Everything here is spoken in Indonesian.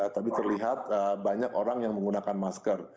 tapi terlihat banyak orang yang menggunakan masker